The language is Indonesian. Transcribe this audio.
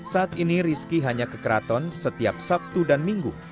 saat ini rizky hanya ke keraton setiap sabtu dan minggu